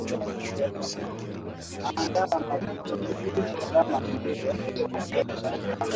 Wananchi wa Senegal walitii wito wa upinzani Na kuwataka kugonga sufuria na kupiga honi za magari yao siku ya Alhamis katika malalamiko